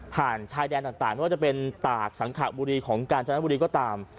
ชายแดนต่างไม่ว่าจะเป็นตากสังขบุรีของกาญจนบุรีก็ตาม